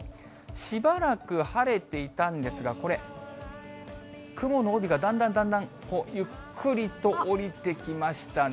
しばらく晴れていたんですが、これ、雲の帯がだんだんだんだん、ゆっくりと下りてきましたね。